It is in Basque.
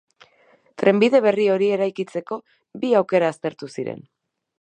Trenbide berri hori eraikitzeko bi aukera aztertu ziren.